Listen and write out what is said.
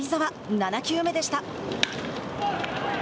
７球目でした。